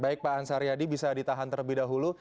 baik pak ansar yadi bisa ditahan terlebih dahulu